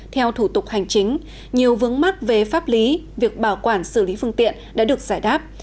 theo thủ tục hành chính nhiều vướng mắt về pháp lý việc bảo quản xử lý phương tiện đã được giải đáp